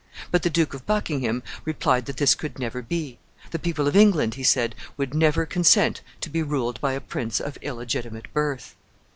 But the Duke of Buckingham replied that this could never be. The people of England, he said, would never consent to be ruled by a prince of illegitimate birth.